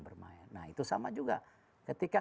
bermain nah itu sama juga ketika